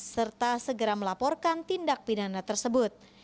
serta segera melaporkan tindak pidana tersebut